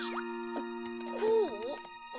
ここう？